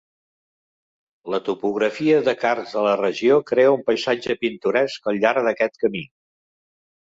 La topografia de carst de la regió crea un paisatge pintoresc al llarg d'aquest camí.